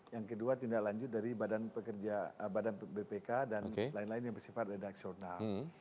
yang kedua tindak lanjut dari badan bpk dan lain lain yang bersifat redaksional